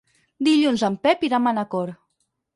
Dilluns en Pep irà a Manacor.